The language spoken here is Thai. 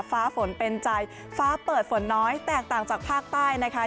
ฟ้าฝนเป็นใจฟ้าเปิดฝนน้อยแตกต่างจากภาคใต้นะคะ